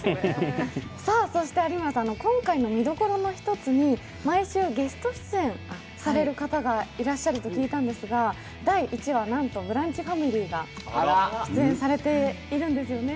そして有村さん、今回の見どころの一つに毎週ゲスト出演される方がいらっしゃると聞いたんですが第１話、なんと「ブランチ」ファミリーが出演されているんですよね。